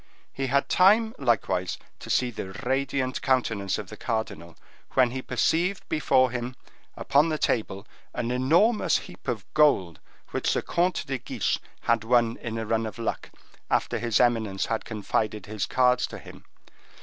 He had time, likewise, to see the radiant countenance of the cardinal, when he perceived before him, upon the table, an enormous heap of gold, which the Comte de Guiche had won in a run of luck, after his eminence had confided his cards to him.